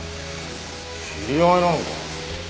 知り合いなのか？